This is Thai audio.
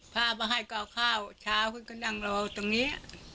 พามาให้ก็เอาข้าวเช้าขึ้นก็นั่งรอตรงนี้